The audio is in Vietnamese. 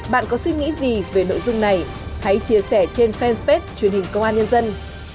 bạn có suy nghĩ gì về nội dung này hãy chia sẻ trên fanpage truyền hình công an nhân dân